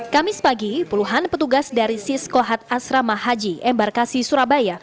kamis pagi puluhan petugas dari siskohat asrama haji embarkasi surabaya